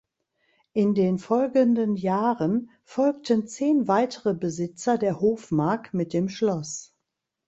In den folgenden Jahren folgten zehn weitere Besitzer der Hofmark mit dem Schloss.